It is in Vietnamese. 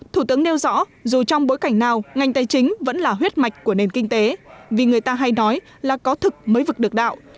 thủ tướng nêu rõ dù trong bối cảnh nào ngành tài chính vẫn là huyết mạch của nền kinh tế vì người ta hay nói là có thực mới vực được đạo